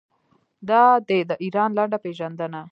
دا دی د ایران لنډه پیژندنه.